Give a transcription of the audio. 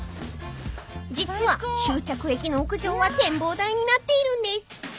［実は終着駅の屋上は展望台になっているんです］